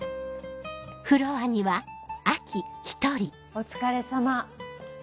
お疲れさま。